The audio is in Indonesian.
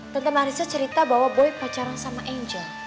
tante marissa cerita bahwa boy pacaran sama angel